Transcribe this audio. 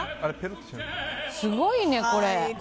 すごいね、これ。